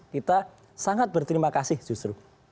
kita sangat berterima kasih justru